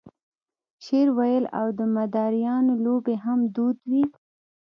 شعر ویل او د مداریانو لوبې هم دود وې.